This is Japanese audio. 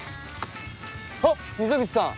あっ溝口さん！